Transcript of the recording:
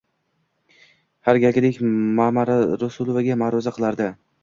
Har galgidek Mamarasulovga ma`ruza qildiradi